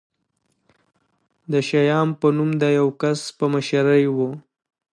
د شیام په نوم د یوه کس په مشرۍ و.